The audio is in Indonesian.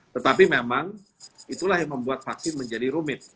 tetapi memang itulah yang membuat vaksin menjadi rumit